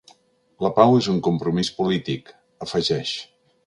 La pau és un compromís polític, afegeix.